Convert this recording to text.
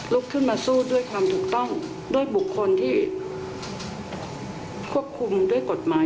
ขึ้นมาสู้ด้วยความถูกต้องด้วยบุคคลที่ควบคุมด้วยกฎหมาย